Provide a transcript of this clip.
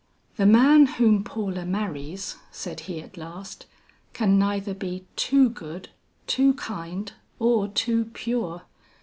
"The man whom Paula marries," said he at last, "can neither be too good, too kind, or too pure.